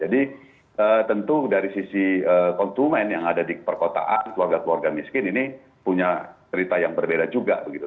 jadi tentu dari sisi konsumen yang ada di perkotaan keluarga keluarga miskin ini punya cerita yang berbeda juga begitu